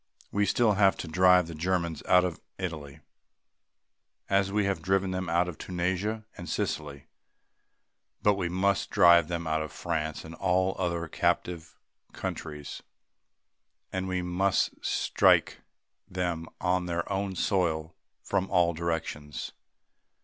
We still have to drive the Germans out of Italy as we have driven them out of Tunisia and Sicily; we must drive them out of France and all other captive countries; and we must strike them on their own soil from all directions.